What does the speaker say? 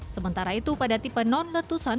sementara itu pada tipe non letusan